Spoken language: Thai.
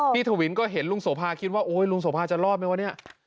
ทวินก็เห็นลุงโสภาคิดว่าโอ๊ยลุงโสภาจะรอดไหมวะเนี่ย